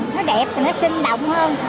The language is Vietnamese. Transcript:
nó đẹp mà nó sinh động hơn